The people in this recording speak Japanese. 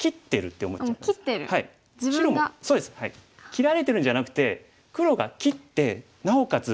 切られてるんじゃなくて黒が切ってなおかつ